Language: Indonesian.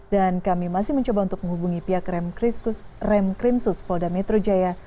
dan kami masih mencoba untuk menghubungi pihak remkrim sus polda metro jaya